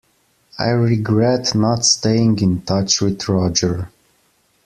I regret not staying in touch with Roger.